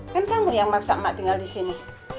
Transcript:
kan kamu yang maksa emak tinggal di sini